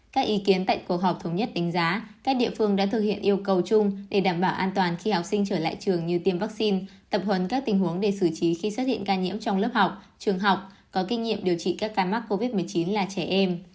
các ý kiến tại cuộc họp thống nhất đánh giá các địa phương đã thực hiện yêu cầu chung để đảm bảo an toàn khi học sinh trở lại trường như tiêm vaccine tập huấn các tình huống để xử trí khi xuất hiện ca nhiễm trong lớp học trường học có kinh nghiệm điều trị các ca mắc covid một mươi chín là trẻ em